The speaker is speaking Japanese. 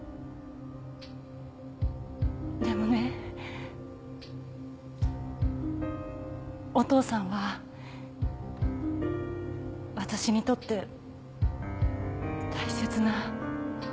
でもねお父さんは私にとって大切な人なの。